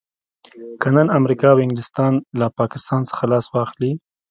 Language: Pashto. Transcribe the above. که نن امريکا او انګلستان له پاکستان څخه لاس واخلي.